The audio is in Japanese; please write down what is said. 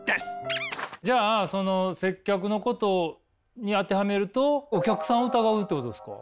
じゃあその接客のことに当てはめるとお客さんを疑うってことですか？